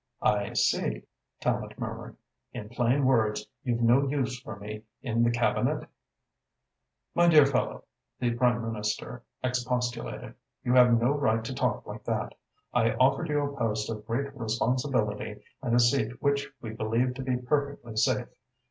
"I see," Tallente murmured. "In plain words, you've no use for me in the Cabinet?" "My dear fellow," the Prime Minister expostulated, "you have no right to talk like that. I offered you a post of great responsibility and a seat which we believed to be perfectly safe.